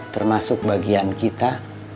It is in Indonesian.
termasuk bagian kita